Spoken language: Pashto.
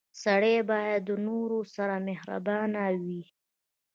• سړی باید د نورو سره مهربان وي.